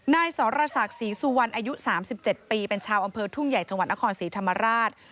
นายสรศักดิ์ศรีสุวรรณอายุ๓๗ปีเป็นชาวอำเภอทุ่งใหญ่จังหวัดนครศรีธรรมราช